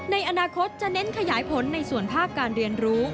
ในอนาคตจะเน้นขยายผลในส่วนภาคการเรียนรู้